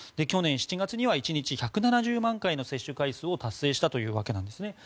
去年７月には１日１７０万回の接種回数を達成したということなんです。